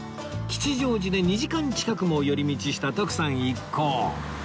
吉祥寺で２時間近くも寄り道した徳さん一行